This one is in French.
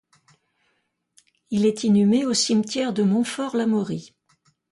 Il est inhumé au cimetière de Montfort-l'Amaury.